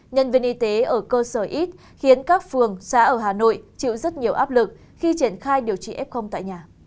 nhân viên y tế ở cơ sở x khiến các phường xã ở hà nội chịu rất nhiều áp lực khi triển khai điều trị ép không tại nhà